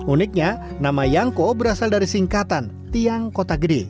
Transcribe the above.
uniknya nama yangko berasal dari singkatan tiang kota gede